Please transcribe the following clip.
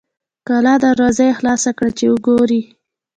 کلا دروازه یې خلاصه کړه چې وګوري.